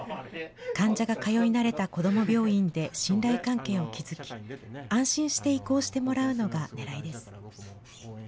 患者が通い慣れたこども病院で信頼関係を築き、安心して移行してもらうのがねらいです。